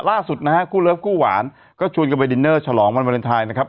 ล่าสุดนะฮะคู่เลิฟคู่หวานก็ชวนกันไปดินเนอร์ฉลองวันวาเลนไทยนะครับ